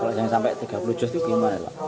kalau jangan sampai tiga puluh juz itu gimana